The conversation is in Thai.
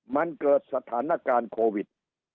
มันเกิดสถานการณ์โควิด